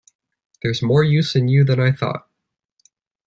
There’s more use in you than I thought.